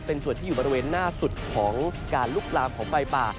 เป็นส่วนที่อยู่บริเวณหน้าสุดของการลุกลามของไฟป่า